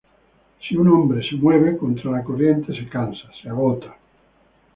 Si un hombre se mueve contra la corriente se cansa, se agota.